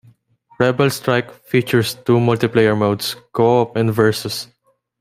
"Rebel Strike" features two multiplayer modes: Co-op and Versus.